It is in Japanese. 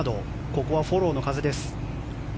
ここはフォローの風です。